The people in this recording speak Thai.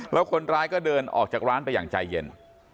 แล้วคนร้ายก็เดินออกจากร้านไปอย่างใจเย็น